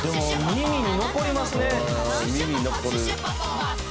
「耳に残る」